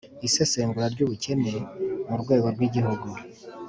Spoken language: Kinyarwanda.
isesengura ry'ubukene mu rwego rw'igihugu